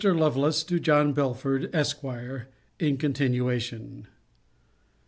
LOVELACE, TO JOHN BELFORD, ESQ. [IN CONTINUATION.